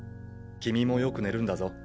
君もよく寝るんだぞ。